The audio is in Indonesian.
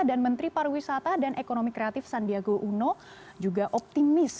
dan menteri pariwisata dan ekonomi kreatif sandiago uno juga optimis